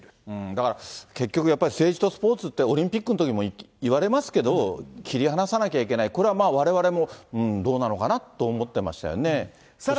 だから、結局、政治とスポーツって、オリンピックのときもいわれますけども、切り離さなきゃいけない、これはまあ、われわれもうーん、どうなのかなと思ってましたよね。